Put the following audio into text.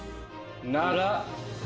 なら。